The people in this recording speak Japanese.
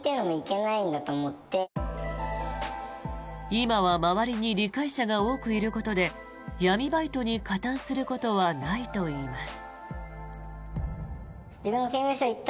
今は周りに理解者が多くいることで闇バイトに加担することはないといいます。